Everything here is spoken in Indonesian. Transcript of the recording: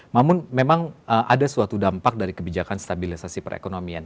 namun memang ada suatu dampak dari kebijakan stabilisasi perekonomian